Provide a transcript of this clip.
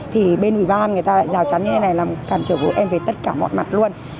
thì bên ủy ban người ta lại rào chắn như thế này làm cản trở của em về tất cả mọi mặt luôn